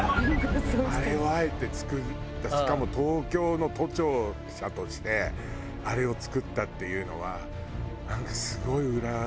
あれをあえて作ったしかも東京の都庁舎としてあれを作ったっていうのはなんか。